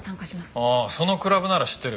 ああそのクラブなら知ってる。